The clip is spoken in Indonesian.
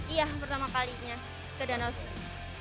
iya pertama kalinya ke danau sendiri